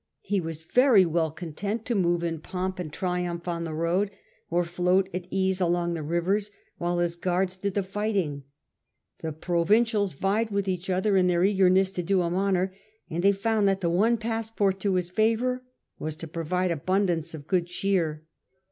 He was very well content to move in pomp and triumph on the road, or float at ease along the rivers, while his guards did the fighting. The provincials vied with each other in their eagerness to do him honour, and they found that the one passport to his favour was to provide abundance of good cheer.